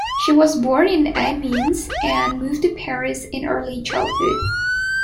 She was born in Amiens and moved to Paris in early childhood.